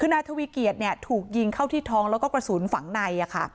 คือนายทวีเกียจถูกยิงเข้าที่ท้องแล้วก็กระสุนฝังใน